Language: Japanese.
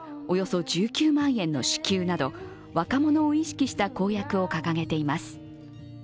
およそ１９万円の支給など若者を意識した公約を掲げています。